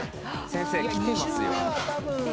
先生きてますよ。